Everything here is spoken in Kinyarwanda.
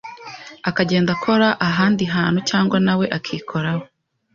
akagenda akora ahandi hantu cyangwa na we akikoraho